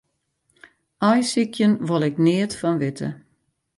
Aaisykjen wol ik neat fan witte.